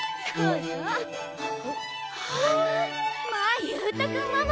まあ勇太君ママ！